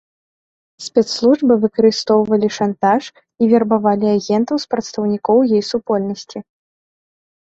Спецслужбы выкарыстоўвалі шантаж і вербавалі агентаў з прадстаўнікоў гей-супольнасці.